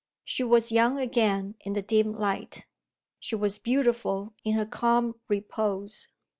She was young again in the dim light: she was beautiful in her calm repose.